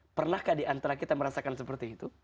pernahkah diantara kita merasakan seperti itu